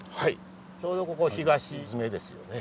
ちょうどここ東詰ですよね。